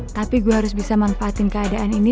tapi gue harus bisa manfaatin keadaan ini